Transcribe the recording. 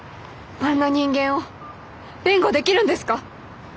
あんな人間を弁護できるんですか？